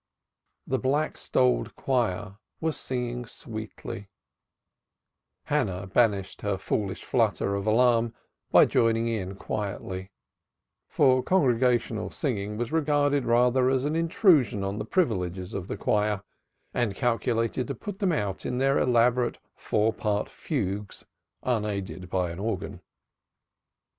The black stoled choir was singing sweetly, Hannah banished her foolish flutter of alarm by joining in quietly, for congregational singing was regarded rather as an intrusion on the privileges of the choir and calculated to put them out in their elaborate four part fugues unaided by an organ.